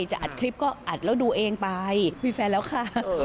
จะอัดคลิปก็อัดแล้วดูเองไปมีแฟนแล้วค่ะ